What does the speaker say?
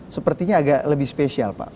sepertinya agak lebih spesial pak